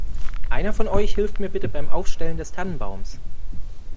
Einer von euch hilft mir bitte beim Aufstellen des Tannenbaums.